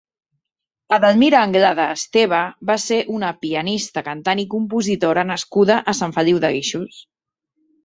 Edelmira Anglada Esteba va ser una pianista, cantant i compositora nascuda a Sant Feliu de Guíxols.